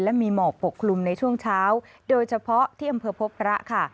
และมีหมอกปกคลุมในช่วงเช้าโดยเฉพาะที่อำเภอพบพระค่ะ